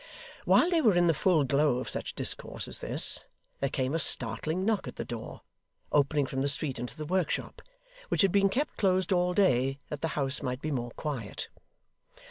While they were in the full glow of such discourse as this, there came a startling knock at the door, opening from the street into the workshop, which had been kept closed all day that the house might be more quiet.